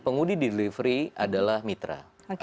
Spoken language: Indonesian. pengudi delivery adalah mitra